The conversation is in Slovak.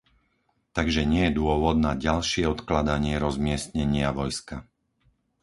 Takže nie je dôvod na ďalšie odkladanie rozmiestnenia vojska.